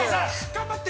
頑張って。